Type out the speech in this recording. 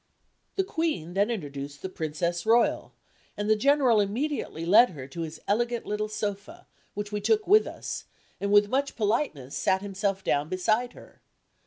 The Queen then introduced the Princess Royal, and the General immediately led her to his elegant little sofa, which we took with us, and with much politeness sat himself down beside her.